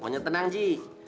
pokoknya tenang ji